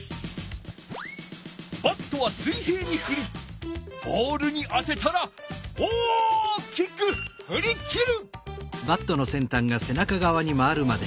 バットは水平にふりボールに当てたら大きくふりきる！